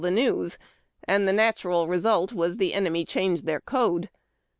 the news, and the natural result was the enemy changed the code.